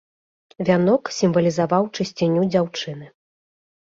Вянок сімвалізаваў чысціню дзяўчыны.